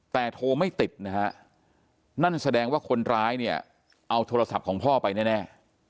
แต่โทรไม่ติดนะฮะนั่นแสดงว่าคนร้ายเนี่ยเอาโทรศัพท์ของพ่อไปแน่